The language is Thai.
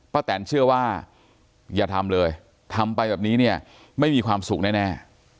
แตนเชื่อว่าอย่าทำเลยทำไปแบบนี้เนี่ยไม่มีความสุขแน่